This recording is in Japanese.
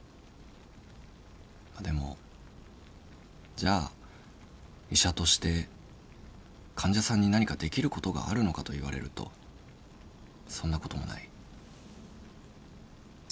でもじゃあ医者として患者さんに何かできることがあるのかと言われるとそんなこともない。